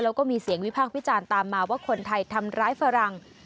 แล้วก็มีเสียงวิพากษ์วิจารณ์ตามมาว่าคนไทยทำร้ายฝรั่ง